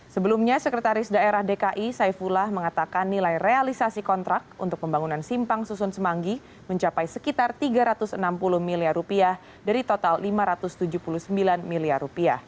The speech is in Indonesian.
sebelumnya sekretaris daerah dki saifullah mengatakan nilai realisasi kontrak untuk pembangunan simpang susun semanggi mencapai sekitar rp tiga ratus enam puluh miliar dari total rp lima ratus tujuh puluh sembilan miliar